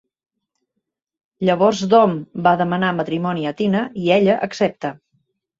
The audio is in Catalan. Llavors Dom va demanar matrimoni a Tina, i ella accepta.